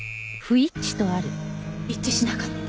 一致しなかった。